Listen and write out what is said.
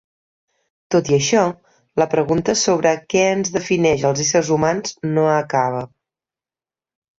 Tot i això, la pregunta sobre què ens defineix als éssers humans no acaba.